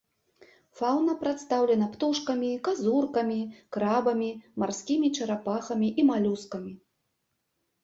Фаўна прадстаўлена птушкамі, казуркамі, крабамі, марскімі чарапахамі і малюскамі.